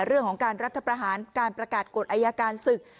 เรื่องของการรัฐประหารการประกาศกฎอายการศึก